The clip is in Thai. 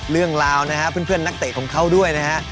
เรื่องราวนะฮะเพื่อนนักเตะของเขาด้วยนะฮะ